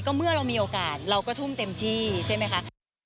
เมื่อเรามีโอกาสเราก็ทุ่มเต็มที่ใช่ไหมคะ